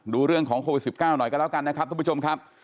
ดูเรื่องของโควิด๑๙หน่อยกันแล้วกันนะครับทุกผู้ชมครับ